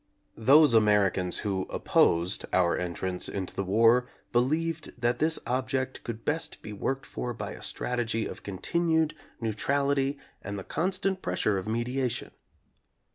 Those Americans who opposed our entrance into the war believed that this object could best be worked for by a strategy of continued neutrality and the con stant pressure of mediation.